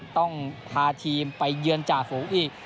ต้องพาทีมไปเยือนจ่าฝูงอีก